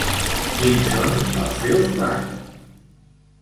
Quins són els seus plans?